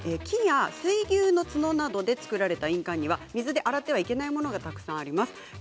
木や水牛の角などで作られた印鑑には水で洗っていけないものがたくさんあります。